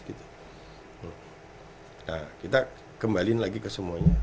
kita kembaliin lagi ke semuanya